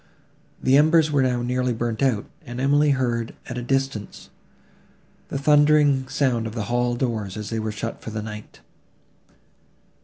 The embers were now nearly burnt out; and Emily heard, at a distance, the thundering sound of the hall doors, as they were shut for the night.